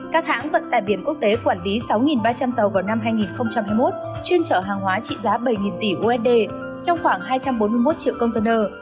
các hãng vận tải biển quốc tế quản lý sáu ba trăm linh tàu vào năm hai nghìn hai mươi một chuyên trở hàng hóa trị giá bảy tỷ usd trong khoảng hai trăm bốn mươi một triệu container